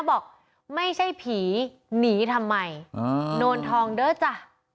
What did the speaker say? บอกไม่ใช่ผีหนีทำไมโนนทองเด้อจ้ะ